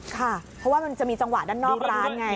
ค่ะเพราะว่ามันจะมีจังหวะด้านนอกร้านไง